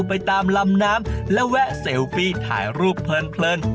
ไปตามลำน้ำแล้วแวะถ่ายรูปเพลินเพลิน